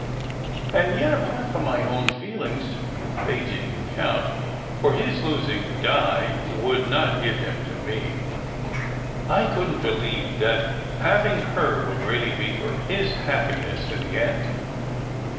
And yet, apart from my own feelings (they didn t count, for his losing Di would not give him to me), I couldn t believe that having her would really be for his happiness in the end.